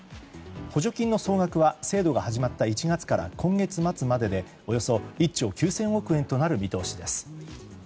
補助金の総額は制度が始まった１月から今月末まででおよそ１兆９０００億円となる見通しです。